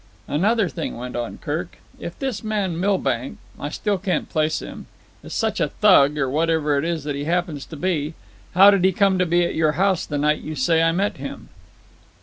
"Another thing," went on Kirk. "If this man Milbank—I still can't place him—is such a thug, or whatever it is that he happens to be, how did he come to be at your house the night you say I met him?"